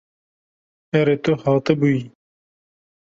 Erê tu hatibûyî.